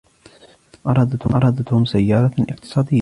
أراد توم سيارةً اقتصادية.